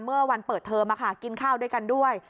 เมื่อวันเปิดเทอมกินข้าวด้วยกันด้วย